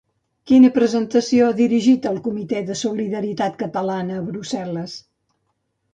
Quina presentació ha dirigit el Comitè de Solidaritat Catalana a Brussel·les?